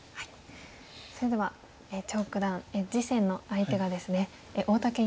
それでは張九段次戦の相手がですね大竹優七段となります。